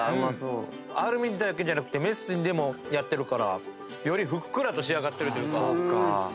アルミだけじゃなくてメスティンでもやってるからよりふっくらと仕上がってるというか。